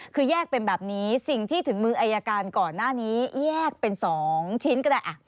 คือแยกเป็นแบบนี้สิ่งที่ถึงมืออายการก่อนหน้านี้แยกเป็น๒ชิ้นก็ได้